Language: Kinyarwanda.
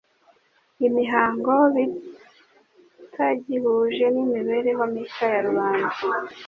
imihango bitagihuje n'imibereho mishya ya rubanda.